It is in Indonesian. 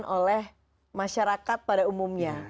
oleh masyarakat pada umumnya